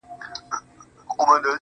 د فساد او ناوړه استفادې تمایل موجود دی